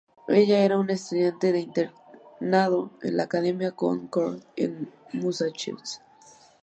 Ella era una estudiante de internado en la Academia Concord en Massachusetts.